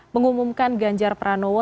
mengumumkan ganjar pranowo